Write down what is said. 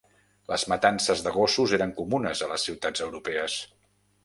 Les matances de gossos eren comunes a les ciutats europees.